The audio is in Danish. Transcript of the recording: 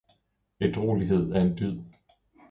Ædruelighed er en dyd.